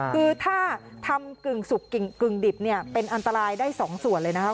คือถ้าทำกึ่งสุกกึ่งดิบเนี่ยเป็นอันตรายได้สองส่วนเลยนะครับ